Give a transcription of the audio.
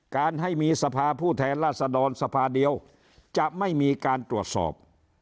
การให้มีสภาผู้แทนราษฎรสภาเดียวจะไม่มีการตรวจสอบ